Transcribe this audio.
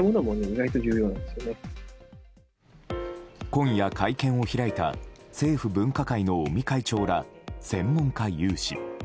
今夜会見を開いた政府分科会の尾身会長ら専門家有志。